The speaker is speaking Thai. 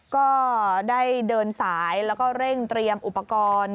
ก็ได้เดินสายแล้วก็เร่งเตรียมอุปกรณ์